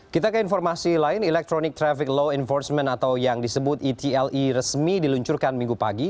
kita ke informasi lain electronic traffic law enforcement atau yang disebut etle resmi diluncurkan minggu pagi